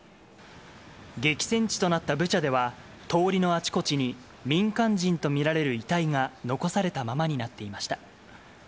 激戦地となったブチャでは、通りのあちこちに、民間人と見られる遺体が残されたままになっていました。